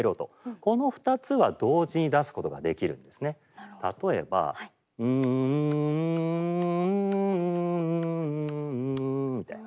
例えば。例えば。みたいな。